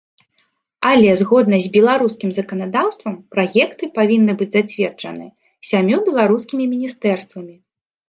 Але, згодна з беларускім заканадаўствам, праекты павінны быць зацверджаны сямю беларускімі міністэрствамі.